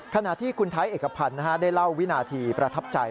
ขณะที่คุณไทยเอกพันธ์ได้เล่าวินาทีประทับใจ